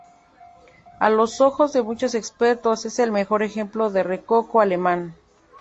A los ojos de muchos expertos es el mejor ejemplo de rococó alemán.